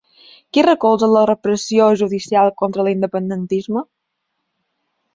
Qui recolza la repressió judicial contra l'independentisme?